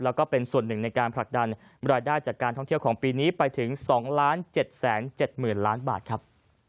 แล้วก็เป็นส่วนหนึ่งในการผลักดันรายได้จากการท่องเที่ยวของปีนี้ไปถึง๒๗๗๐๐ล้านบาทครับ